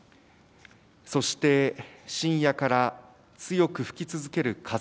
そして深夜から強く吹き続ける風。